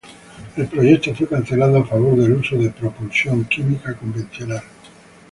El proyecto fue cancelado a favor del uso de propulsión química convencional.